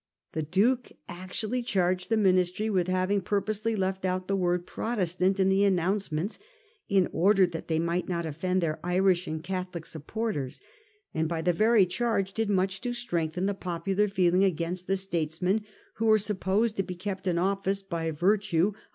The Duke actually charged the Ministry with having purposely left out the word ' Protestant ' in the announcements in order that they might not offend their Irish and Catholic supporters, and by the very charge did much to strengthen the popular feeling against the statesmen who were supposed to be kept in office by virtue of 1840.